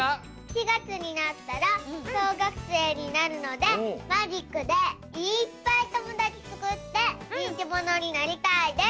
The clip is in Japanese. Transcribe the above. ４がつになったらしょうがくせいになるのでマジックでいっぱいともだちつくってにんきものになりたいです。